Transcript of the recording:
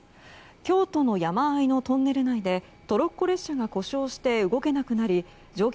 京都の山あいのトンネル内でトロッコ列車が故障して動けなくなり乗客